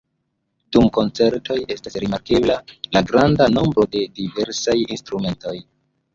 Dum koncertoj estas rimarkebla la granda nombro de diversaj instrumentoj.